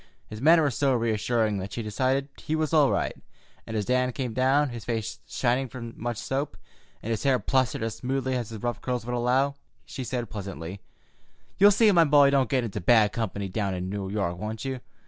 His manner was so reassuring that she decided he was all right, and as Dan came down, his face shining from much soap, and his hair plastered as smoothly as his rough curls would allow, she said pleasantly: "You'll see my boy don't get into bad company down in New York, won't you?